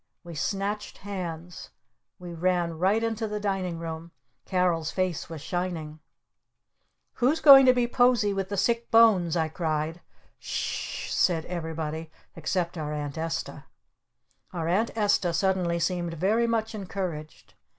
We snatched hands. We ran right into the Dining Room. Carol's face was shining. "Who's going to be Posie with the Sick Bones?" I cried. "S s h!" said everybody except our Aunt Esta. Our Aunt Esta suddenly seemed very much encouraged.